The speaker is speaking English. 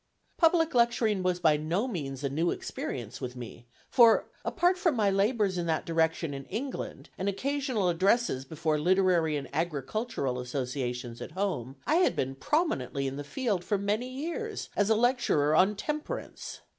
Public lecturing was by no means a new experience with me; for, apart from my labors in that direction in England, and occasional addresses before literary and agricultural associations at home, I had been prominently in the field for many years as a lecturer on temperance.